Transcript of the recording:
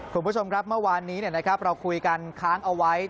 คุณผู้ชมครับเมื่อวานนี้เราคุยกันค้างเอาไว้